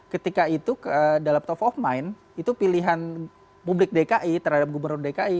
ketika itu dalam top of mind itu pilihan publik dki terhadap gubernur dki